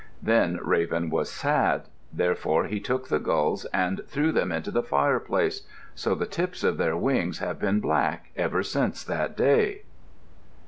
Then Raven was sad. Therefore he took the gulls and threw them into the fireplace. So the tips of their wings have been black, ever since that day.